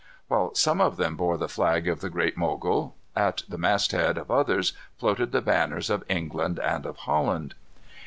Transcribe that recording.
While some of them bore the flag of the Great Mogul, at the mast head of others floated the banners of England and of Holland.